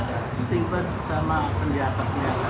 stimpet sama penjaga